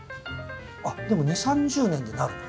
あっでも２０３０年でなるの？